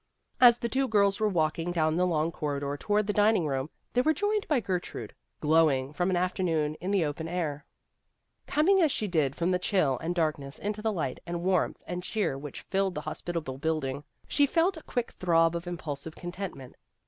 As the two girls were walking down the long corridor toward the dining room, they were joined by Gertrude, glowing from an afternoon in the open air. Com Vassar Studies ing as she did from the chill and darkness into the light and warmth and cheer which filled the hospitable building, she felt a quick throb of impulsive contentment.